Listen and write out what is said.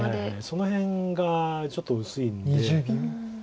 その辺がちょっと薄いんで。